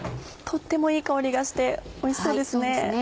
とってもいい香りがしておいしそうですね。